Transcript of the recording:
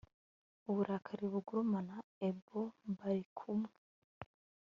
uburakari bugurumana a bobarikumwe